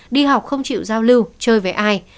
đi học không chịu giao lưu chơi với ai